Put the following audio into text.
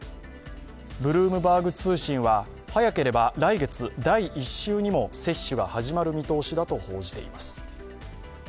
ブルームバーグ通信は、早ければ来月第１週にも接種が始まる見通しだと報じています。